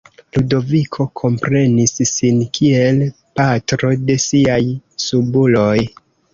Ludoviko komprenis sin kiel "patro de siaj subuloj".